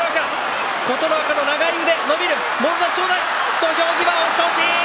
土俵際、押し倒し。